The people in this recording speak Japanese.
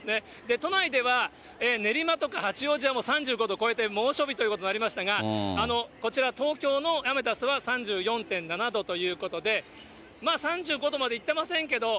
都内では、練馬とか八王子はもう３５度超えて、猛暑日ということになりましたが、こちら、東京のアメダスは３４．７度ということで、まあ３５度までいっていませんけれども。